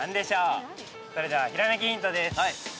それではひらめきヒントです。